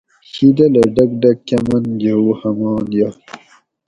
شیدلہ ڈۤک ڈۤک کۤمن جوؤ ہمان یائی